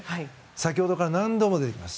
先ほどから何度も出てきます。